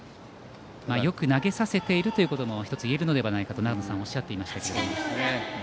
よく投げさせているということも１つ言えるのではないかと長野さんはおっしゃっていました。